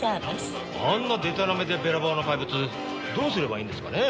あんなでたらめでべらぼうな怪物どうすればいいんですかね？